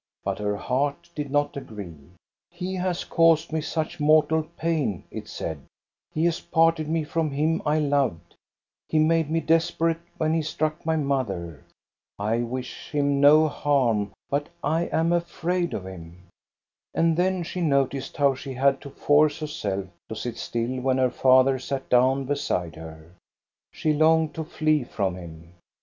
But her heart did not agree. " He has caused me such mortal pain," it said ;" he OLD SONGS 357 s parted me from him I loved ; he made me desper ate when he struck my mother. I wish him no harm, but I am afraid of him." And then she noticed how she had to force herself to sit still when her father sat down beside her; she longed to flee from him.